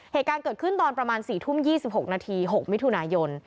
เหตุการณ์เกิดขึ้นตอนประมาณ๔ทุ่ม๒๖นาที๖มิถุนายน